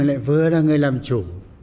tôi lại vừa là người làm chủ